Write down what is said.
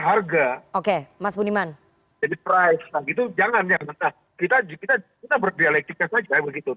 harga oke mas budiman jadi price itu jangan kita kita kita berdialektik saja begitu